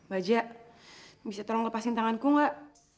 baja bisa tolong lepasin tanganku gak